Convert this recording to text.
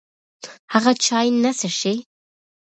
هغه چای نه څښي.